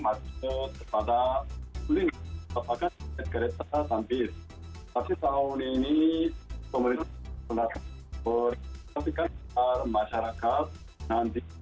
masjid pada pilih apakah kereta tampil pasti tahun ini pemerintah berlatih berpikir masyarakat nanti